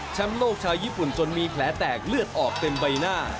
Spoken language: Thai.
โลกชาวญี่ปุ่นจนมีแผลแตกเลือดออกเต็มใบหน้า